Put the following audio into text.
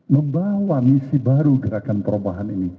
membawa misi baru gerakan perubahan ini